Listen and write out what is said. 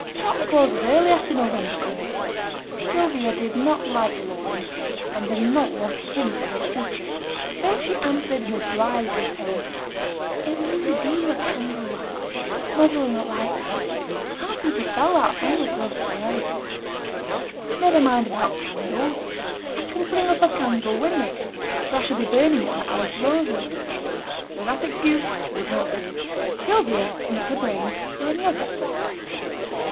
T' shop closes early after November comes in.' Sylvia did not like learning, and did not want him for her teacher; so she answered in a dry little tone, 'It'll use a deal o' candle light; mother 'll not like that. I can't see to spell wi'out a candle close at my elbow.' 'Niver mind about candles. I can bring up a candle wi' me, for I should be burning one at Alice Rose's.' So that excuse would not do. Sylvia beat her brains for another.